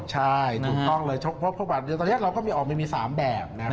ใช่ถูกต้องเลยเพราะปลัดบัตรดีลตอนนี้เราก็ออกไปมี๓แบบ